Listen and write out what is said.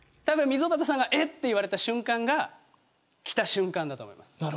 多分溝端さんが「え！」って言われた瞬間が来た瞬間だと思います。